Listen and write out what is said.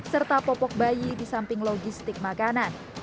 serta popok bayi di samping logistik makanan